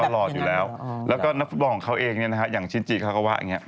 ตลอดอยู่แล้วแล้วก็นักภูมิของเขาเองนะครับอย่างชินจิคาร์กาว่าอย่างเนี่ย